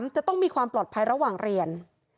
จะต้องมีความปลอดภัยระหว่างเรียน